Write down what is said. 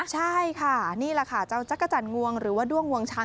ใช่ค่ะนี่แหละค่ะเจ้าจักรจันทร์งวงหรือว่าด้วงงวงช้าง